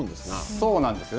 そうなんですよね。